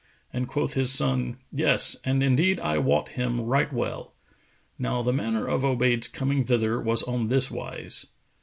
and quoth his son, "Yes; and indeed I wot him right well." Now the manner of Obayd's coming thither was on this wise.